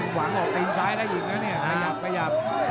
หวังออกตีนซ้ายได้อีกนะเนี่ยขยับขยับ